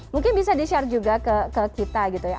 mungkin bisa di share juga ke kita gitu ya